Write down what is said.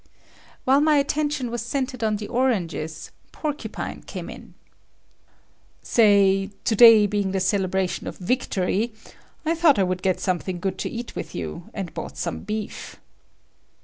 While my attention was centered on the oranges, Porcupine[M] came in. "Say, to day being the celebration[N] of victory, I thought I would get something good to eat with you, and bought some beef."